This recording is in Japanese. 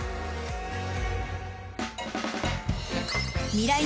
［ミライ☆